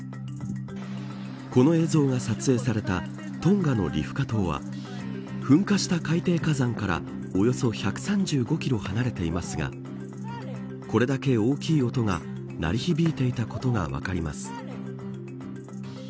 この映像が撮影されたトンガのリフカ島は噴火した海底火山からおよそ１３５キロ離れていますがこれだけ大きい音が鳴り響いていたことが分かります。